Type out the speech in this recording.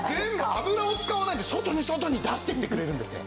油を使わないで外に外に出していってくれるんですね。